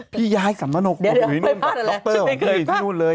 พี่ย้ายสามสามนกอยู่ที่นู่นดรอยู่ที่นู่นเลย